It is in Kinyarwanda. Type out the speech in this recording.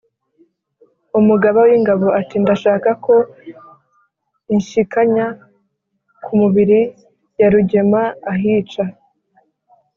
- umugaba w‟ingabo ati: “ndashaka ko„inshyikanya ku mubiri ya rugema ahica‟